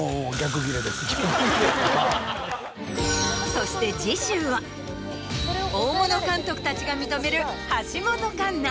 そして次週は大物監督たちが認める橋本環奈。